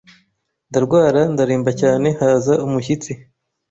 Ndarwara ndaremba cyane haza umushyitsi